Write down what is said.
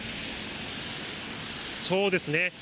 そうですね。